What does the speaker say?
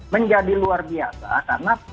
menjadi luar biasa karena